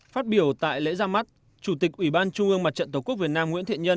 phát biểu tại lễ ra mắt chủ tịch ủy ban trung ương mặt trận tổ quốc việt nam nguyễn thiện nhân